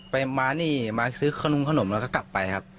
มานี่มาซื้อขนมขนมแล้วก็กลับไปครับ